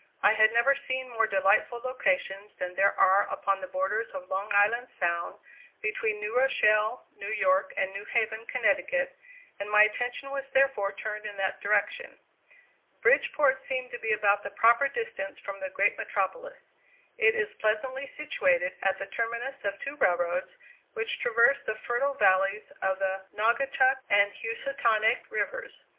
I had never seen more delightful locations than there are upon the borders of Long Island Sound, between New Rochelle, New York, and New Haven, Connecticut; and my attention was therefore turned in that direction. Bridgeport seemed to be about the proper distance from the great metropolis. It is pleasantly situated at the terminus of two railroads, which traverse the fertile valleys of the Naugatuck and Housatonic rivers.